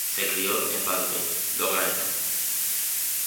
Se crio en Baldwin, Long Island.